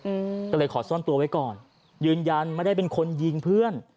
อืมก็เลยขอซ่อนตัวไว้ก่อนยืนยันไม่ได้เป็นคนยิงเพื่อน